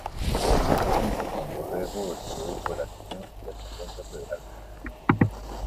Publicó junto con Dorrego el periódico "El Argentino", de tendencia federal.